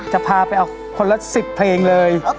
จะพาไปเอาคนละ๑๐เพลงเลย